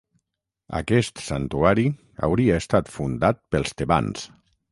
Aquest santuari hauria estat fundat pels tebans.